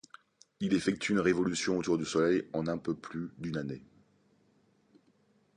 Il effectue une révolution autour du Soleil en un peu plus d'une année.